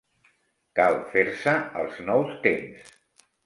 Cal fer-se als nous temps.